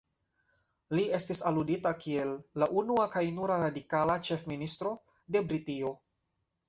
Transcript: Li estis aludita kiel "la unua kaj nura radikala Ĉefministro de Britio".